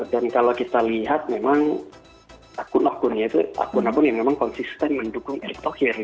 dan kalau kita lihat memang akun akunnya itu akun akun yang memang konsisten mendukung eric thauhir